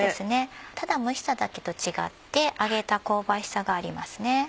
ただ蒸しただけと違って揚げた香ばしさがありますね。